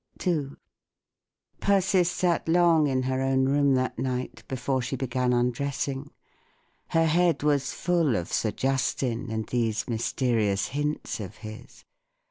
II. Persis sat long in her own room that night before she began undressing. Her head was full of Sir Justin and these mysterious hints of his.